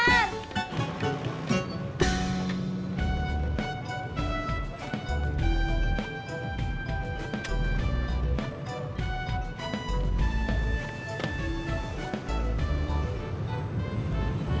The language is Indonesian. tepat banget nih bang